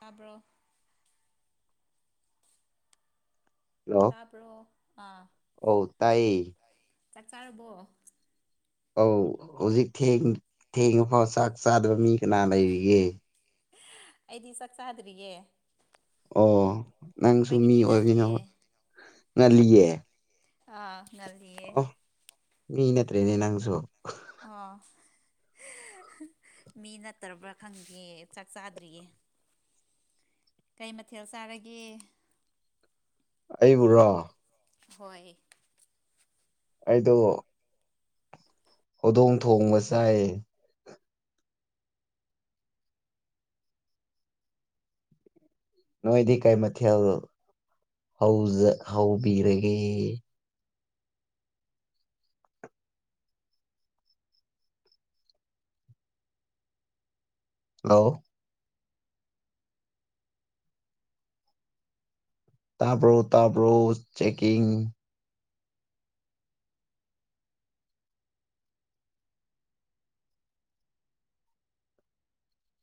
ꯇꯥꯕ꯭ꯔꯣ ꯍꯜꯂꯣ ꯇꯥꯄ꯭ꯔꯣ ꯑ ꯑꯧ ꯇꯥꯏꯌꯦ ꯆꯥꯛ ꯆꯥꯔꯕꯣ ꯑꯧ ꯍꯧꯖꯤꯛ ꯊꯦꯡ ꯊꯦꯡꯉ ꯐꯥꯎ ꯆꯥꯛ ꯆꯥꯗꯕ ꯃꯤ ꯀꯅꯥ ꯂꯩꯔꯤꯒꯦ ꯑꯩꯗꯤ ꯆꯥꯛ ꯆꯥꯗ꯭ꯔꯤꯌꯦ ꯑꯣ ꯅꯪꯁꯨ ꯃꯤ ꯑꯩꯈꯣꯏꯒꯤꯗꯤ ꯑꯣꯏꯕꯤꯅꯣ ꯉꯜꯂꯤꯌꯦ ꯉꯜꯂꯤꯌꯦ ꯑꯥ ꯉꯜꯂꯤꯑꯦ ꯑꯣ ꯃꯤ ꯅꯠꯇꯦꯅꯦ ꯅꯪꯁꯨ ꯑ ꯃꯤ ꯅꯠꯇ꯭ꯔꯕ꯭ꯔꯥ ꯈꯪꯗꯦ ꯆꯥꯛ ꯆꯥꯗ꯭ꯔꯤꯌꯦ ꯀꯩ ꯃꯊꯦꯜ ꯆꯥꯔꯒꯦ ꯑꯩꯕꯨ ꯔꯣ ꯍꯣꯏ ꯑꯩꯗꯣ ꯍꯧꯗꯣꯡ ꯊꯣꯡꯕ ꯆꯥꯏ ꯅꯣꯏꯗꯤ ꯀꯩ ꯃꯊꯦꯜꯖ ꯍꯧꯖ ꯍꯧꯕꯤꯔꯒꯦ ꯍꯂꯣ ꯇꯥꯕꯔꯣ ꯇꯥꯕꯣ ꯆꯦꯛꯀꯤꯡ